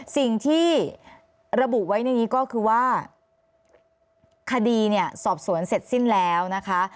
สิ่งที่ระบุไว้ในนี้ก็คือว่าคดีเนี่ยสอบสวนเสร็จสิ้นแล้วนะคะ